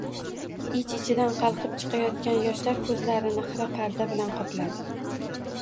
Ich-ichidan qalqib chiqayotgan yoshlar koʻzlarini xira parda bilan qopladi.